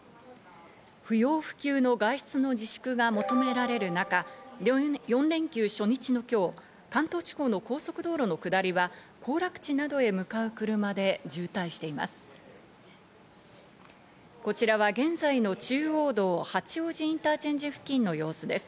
不要不急の外出の自粛が求められる中、４連休初日の今日、関東地方の高速道路の下りは行楽地などへ向かう車で渋滞しています。